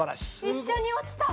一緒に落ちた。